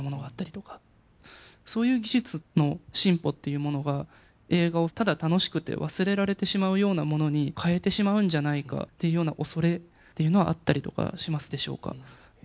そういう技術の進歩っていうものが映画をただ楽しくて忘れられてしまうようなものに変えてしまうんじゃないかっていうようなおそれっていうのはあったりとかしますでしょうか？